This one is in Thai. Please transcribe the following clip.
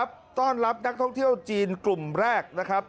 ก็จะมีรัฐมนตรีไปรับเหมือนกัน